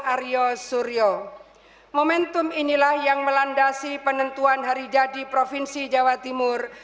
aryo suryo momentum inilah yang melandasi penentuan hari jadi provinsi jawa timur